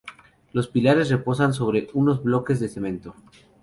Los pilares reposan sobre unos bloques de cemento.